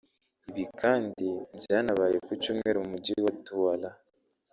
Ibi kandi byanabaye ku Cyumweru mu mujyi wa Douala